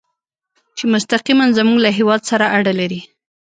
چې مستقیماً زموږ له هېواد سره اړه لري.